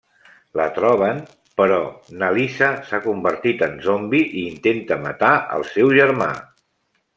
La troben, però na Lisa s'ha convertit en zombi i intenta matar el seu germà.